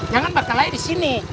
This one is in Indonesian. jangan bakal naik di sini